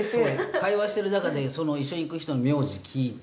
会話してるなかでその一緒に行く人の名字聞いて。